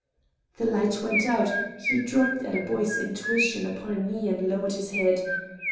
The light went out; he dropped at a boy's intuition upon a knee and lowered his head.